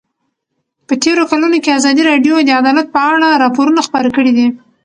په تېرو کلونو کې ازادي راډیو د عدالت په اړه راپورونه خپاره کړي دي.